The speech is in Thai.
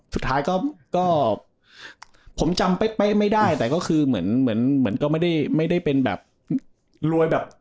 สุดท้ายก็ผมจำเป๊ะไม่ได้แต่ก็คือเหมือนเหมือนก็ไม่ได้เป็นแบบรวยแบบ